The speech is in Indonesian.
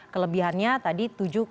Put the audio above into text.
kelebihannya tadi tujuh